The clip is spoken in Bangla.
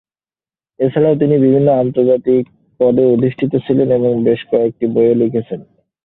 এছাড়াও তিনি বিভিন্ন আন্তর্জাতিক পদে অধিষ্ঠিত ছিলেন এবং বেশ কয়েকটি বইও লিখেছেন।